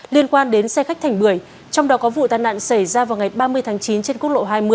liên quan đến xe khách thành bưởi trong đó có vụ tàn nạn xảy ra vào ngày ba mươi tháng chín trên quốc lộ hai mươi